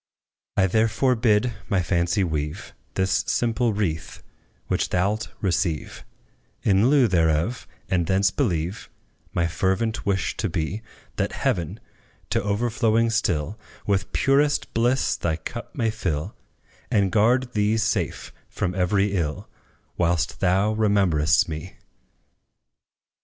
I therefore bid my fancy weave This simple wreath, which thou 'lt receive In lieu thereof; and thence believe My fervent wish to be That Heaven, to overflowing still, With purest bliss thy cup may fill, And guard thee safe from every ill, Whilst thou rememberest me!